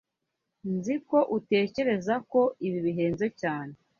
Nzi ko utekereza ko ibi bihenze cyane.